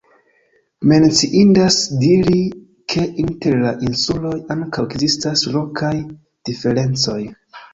Menciindas diri ke inter la insuloj ankaŭ ekzistas lokaj diferencoj.